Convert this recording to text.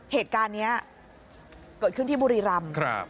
เหตุการณ์นี้เกิดขึ้นที่บุรีรำ